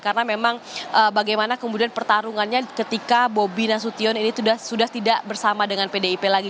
karena memang bagaimana kemudian pertarungannya ketika bobby nasution ini sudah tidak bersama dengan pdip lagi